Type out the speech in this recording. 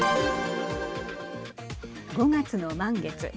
５月の満月。